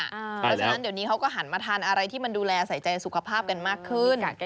เพราะฉะนั้นเดี๋ยวนี้เขาก็หันมาทานอะไรที่มันดูแลใส่ใจสุขภาพกันมากขึ้น